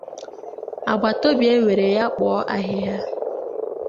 agbataobi ewere ya kpoo ahịhịa.